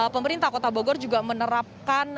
pemerintah kota bogor juga menerapkan